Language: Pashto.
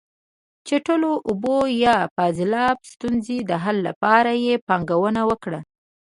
د چټلو اوبو یا فاضلاب ستونزې د حل لپاره یې پانګونه وکړه.